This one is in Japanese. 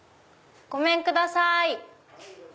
ごめんください！